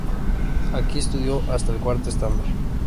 Aquí estudió hasta el cuarto estándar.